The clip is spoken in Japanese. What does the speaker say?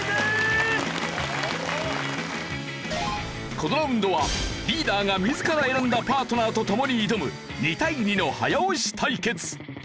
このラウンドはリーダーが自ら選んだパートナーと共に挑む２対２の早押し対決。